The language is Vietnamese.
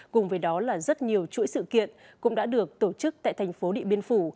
cùng với đó là rất nhiều chuỗi sự kiện cũng đã được tổ chức tại thành phố điện biên phủ